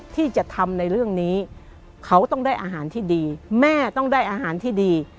ที่จะทำในเรื่องนี้เขาต้องได้อาหารที่ดีแม่ต้องได้อาหารที่ดี